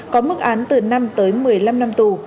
có mức án từ năm tới một mươi năm năm tù